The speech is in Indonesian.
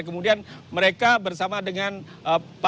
kemudian mereka bersama dengan para senjata